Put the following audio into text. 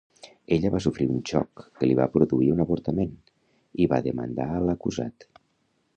Ella va sofrir un xoc que li va produir un avortament, i va demandar a l"acusat.